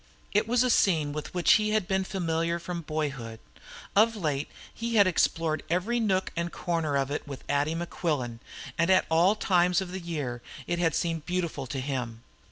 It was a scene with which he had been familiar from boyhood. Of late he had explored every nook and corner of it with Addie Mequillen, and at all times of the year it had seemed beautiful to him.